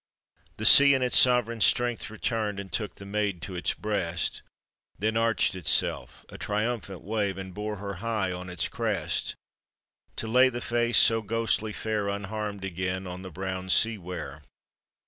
The sea in its sovereign strength returned And took the maid to its breast, Then arched itself — a triumphant wave — And bore her high on its crest, To lay the face so ghostly fair Unharmed again on the brown sea ware.